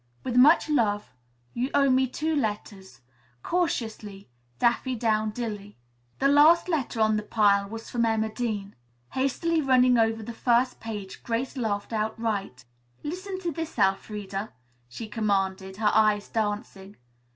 "With much love. You owe me two letters. "Cautiously, "DAFFYDOWNDILLY." The last letter on the pile was from Emma Dean. Hastily running over the first page, Grace laughed outright. "Listen to this, Elfreda," she commanded, her eyes dancing.